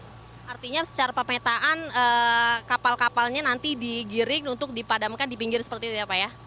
artinya secara pemetaan kapal kapalnya nanti digiring untuk dipadamkan di pinggir seperti itu ya pak ya